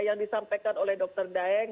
yang disampaikan oleh dr daeng